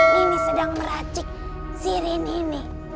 mini sedang meracik sirin ini